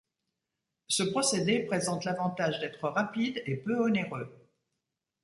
Ce procédé présente l'avantage d'être rapide et peu onéreux.